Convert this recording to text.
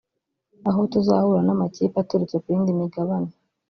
aho tuzahura n’amakipe aturutse ku yindi Migabane